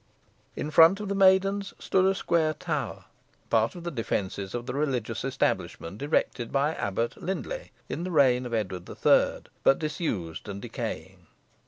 In front of the maidens stood a square tower, part of the defences of the religious establishment, erected by Abbot Lyndelay, in the reign of Edward III., but disused and decaying.